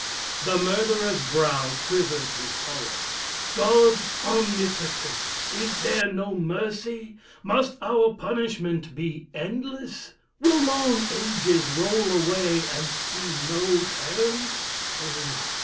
The murderer's brow Quivered with horror. God omnipotent! Is there no mercy? must our punishment Be endless? will long ages roll away, And see no 'term? Oh!